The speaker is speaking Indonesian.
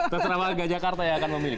tentu saja warga jakarta yang akan memilih